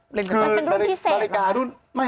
เป็นรุ่นพิเศษ